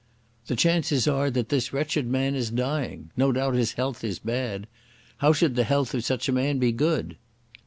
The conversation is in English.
"The chances are that this wretched man is dying. No doubt his health is bad. How should the health of such a man be good?